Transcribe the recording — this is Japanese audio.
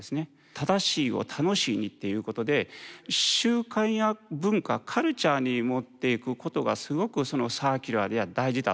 「正しいを楽しいに」っていうことで習慣や文化・カルチャーに持っていくことがすごくサーキュラーでは大事だと思ってたんです。